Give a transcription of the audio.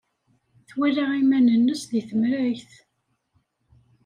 Twala iman-nnes deg temrayt.